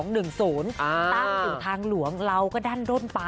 ตั้งอยู่ทางหลวงเราก็ด้าน